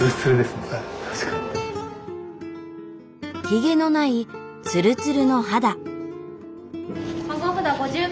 ヒゲのないツルツルの肌。